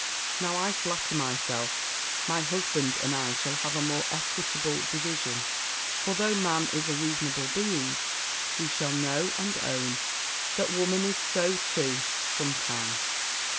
Now I flatter myself my husband and I shall have a more equitable division; for, though man is a reasonable being, he shall know and own that woman is so too sometimes.